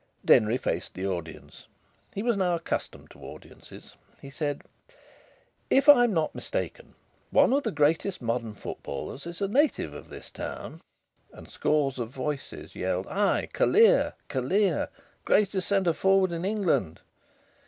Denry faced the audience. He was now accustomed to audiences. He said: "If I'm not mistaken, one of the greatest modern footballers is a native of this town." And scores of voices yelled: "Ay! Callear! Callear! Greatest centre forward in England!"